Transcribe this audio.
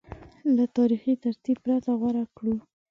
له تاریخي ترتیب پرته غوره کړو